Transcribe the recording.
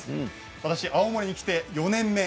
私、青森に来て４年目。